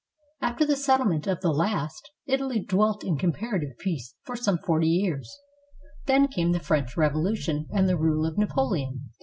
After the settlement of the last, Italy dwelt in comparative peace for some forty years; then came the French Revolution and the rule of Napoleon.